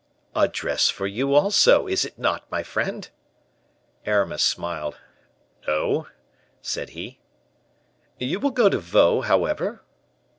"A dress for you, also, is it not, my friend?" Aramis smiled. "No," said he. "You will go to Vaux, however?"